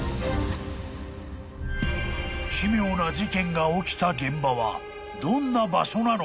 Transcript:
［奇妙な事件が起きた現場は］